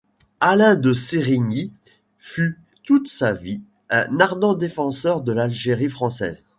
Alain de Sérigny fut toute sa vie un ardent défenseur de l'Algérie française.